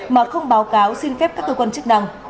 mà không báo cáo xin phép các cơ quan chức năng